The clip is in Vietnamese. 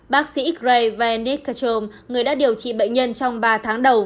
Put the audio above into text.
bác sĩ greg vanekatrom người đã điều trị bệnh nhân trong ba tháng đầu